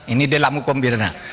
ini dalam hukum birna